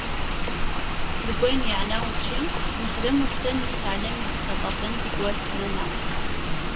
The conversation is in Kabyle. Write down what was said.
Deg wayen yeɛna učči, nexdem ussan n useɛlem i yettaṭafen tikwal smana.